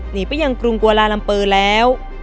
หนีไปยังกรุงกวาลาลัมเปอร์แล้ว